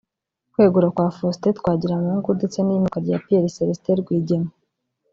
Kwegura kwa Faustin Twangiramungu ndetse n’iyimikwa rya Pierre celestin Rwigema